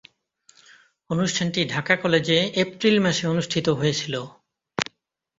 অনুষ্ঠানটি ঢাকা কলেজে এপ্রিল মাসে অনুষ্ঠিত হয়েছিলো।